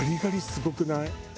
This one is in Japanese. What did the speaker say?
すごくない？